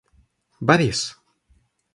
Борис